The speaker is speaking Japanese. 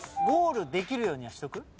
ゴールできるようにはしておく？